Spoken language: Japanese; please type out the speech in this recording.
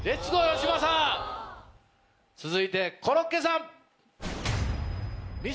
続いてコロッケさん。